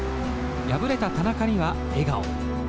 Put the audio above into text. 敗れた田中には笑顔。